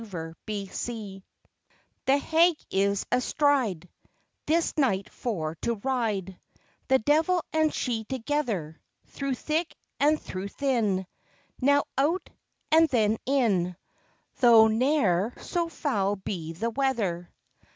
THE HAG The Hag is astride, This night for to ride, The devil and she together; Through thick and through thin, Now out, and then in, Though ne'er so foul be the weather.